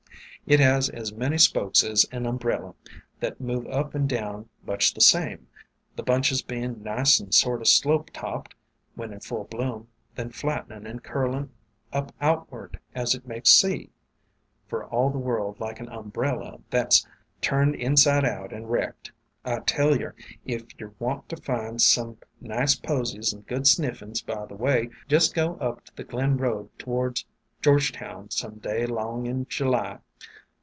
It has as many spokes as an umbrella, that move up and down much the same, the bunches bein' nice and sort o' slope topped when in full bloom, then flattenin' and curlin' up outward as it makes seed, for all the world like an umbrella that 's WILD BERGAMO T WAYFARERS 287 turned inside out and wrecked. I tell yer, if yer want to find some nice posies and good sniffin's by the way, jest go up the Glen Road toward George town some day 'long 'n July.